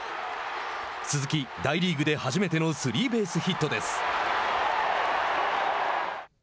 鈴木、大リーグで初めてのスリーベースヒットです。